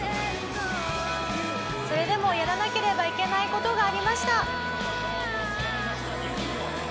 それでもやらなければいけない事がありました。